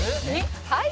「はい。